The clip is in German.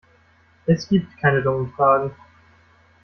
Es gibt keine dummen Fragen.